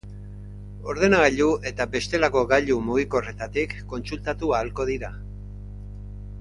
Ordenagailu eta bestelako gailu mugikorretatik kontsultatu ahalko dira.